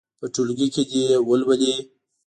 په ټولګي کې دې یې ولولي.